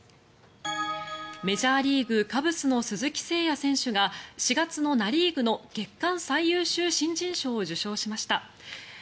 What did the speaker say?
メジャーリーグ、カブスの鈴木誠也選手が４月のナ・リーグの月間最優秀新人賞を受賞しました。